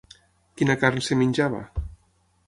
Quina carn es menjava?